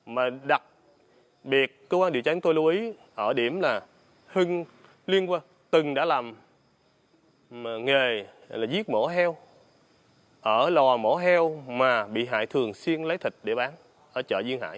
mà đặc biệt cơ quan điều tra tôi lưu ý ở điểm là hưng liên quân từng đã làm nghề giết mổ heo ở lò mổ heo mà bị hại thường xuyên lấy thịt để bán ở chợ duyên hải